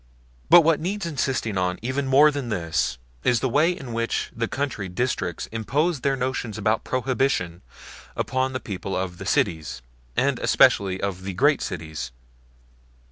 But what needs insisting on even more than this is the way in which the country districts impose their notions about Prohibition upon the people of the cities, and especially of the great cities.